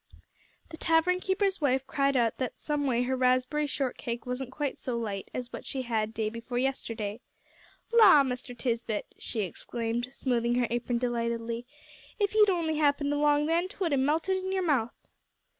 The tavern keeper's wife cried out that some way her raspb'ry shortcake wasn't quite so light as what she had day before yest'day. "La, Mr. Tisbett!" she exclaimed, smoothing her apron delightedly, "if you'd only happened along then, 'twould 'a' melted in your mouth."